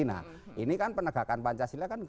nah ini kan penegakan pancasila kan